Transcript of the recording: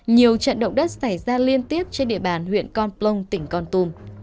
nhiều trận động đất xảy ra liên tiếp trên địa bàn huyện con plong tỉnh con tùm